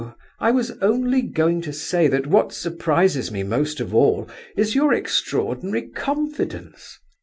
I was only going to say that what surprises me most of all is your extraordinary confidence."